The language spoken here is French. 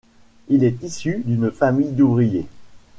Il est issu d'une famille d'ouvriers.